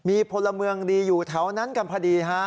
มีพลเมืองดีอยู่แถวนั้นกันพอดีฮะ